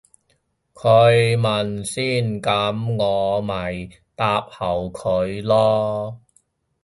佢問先噉我咪答後佢咯